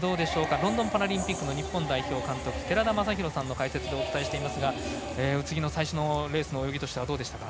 ロンドンパラリンピック日本代表監督寺田雅裕さんの解説でお伝えしていますが宇津木の最初のレースの泳ぎどうでしたか？